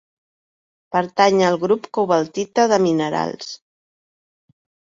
Pertany al grup cobaltita de minerals.